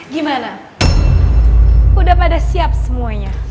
gimana udah pada siap semuanya